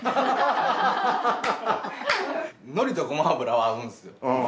海苔とゴマ油は合うんですよ